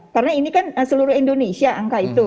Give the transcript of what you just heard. karena ini kan seluruh indonesia angka itu